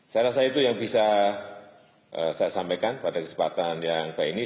saya rasa itu yang bisa saya sampaikan pada kesempatan yang baik ini